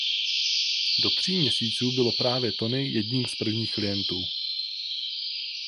Do tří měsíců bylo právě Tony jedním z prvních klientů.